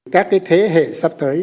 các thế hệ sắp tới